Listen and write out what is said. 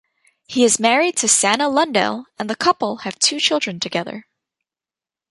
He is married to Sanna Lundell and the couple have two children together.